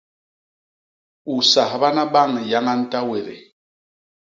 U sahbana bañ yañañ tawédé!